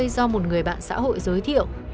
do một người bạn xã hội giới thiệu